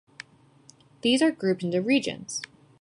These are grouped into regions.